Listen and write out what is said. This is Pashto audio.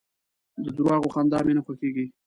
د درواغو خندا مي نه خوښېږي .